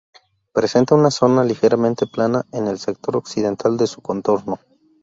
Presenta una zona ligeramente plana en el sector occidental de su contorno.